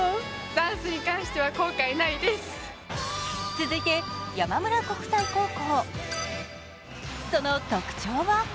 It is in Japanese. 続いて、山村国際高校。